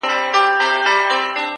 ته دې هره ورځ و هيلو ته رسېږې،